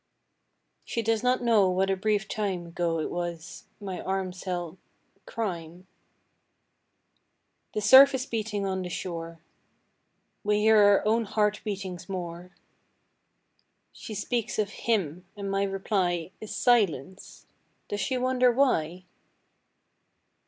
She does not know what a brief time Ago it was my arms held crime. The surf is beating on the shore. We hear our own heart beatings more. She speaks of him and my reply Is silence: does she wonder why?